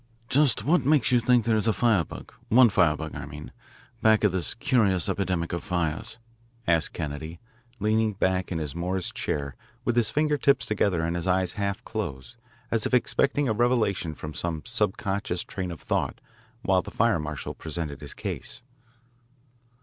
"Just what makes you think that there is a firebug one firebug, I mean back of this curious epidemic of fires?" asked Kennedy, leaning back in his morris chair with his finger tips together and his eyes half closed as if expecting a revelation from some subconscious train of thought while the fire marshal presented his case.